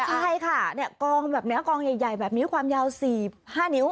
ใช่ค่ะกองแบบนี้กองใหญ่แบบนี้ความยาว๔๕นิ้ว